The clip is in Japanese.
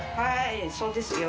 そうですよ。